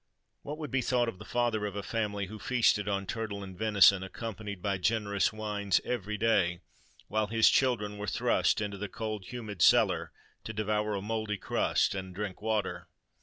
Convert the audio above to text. What would be thought of the father of a family who feasted on turtle and venison, accompanied by generous wines, every day, while his children were thrust into the cold, humid cellar, to devour a mouldy crust and drink water?